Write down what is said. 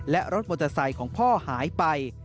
และรถมอเตอร์ไซค์ของพ่อหายไป